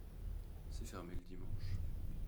c'est fermé le dimanche.